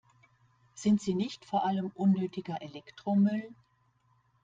Sind sie nicht vor allem unnötiger Elektromüll?